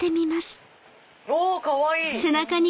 おかわいい！